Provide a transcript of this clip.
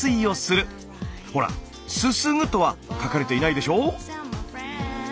ほら「すすぐ」とは書かれていないでしょう。